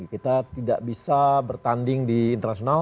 kita tidak bisa bertanding di internasional